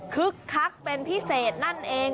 คึกคักเป็นพิเศษนั่นเอง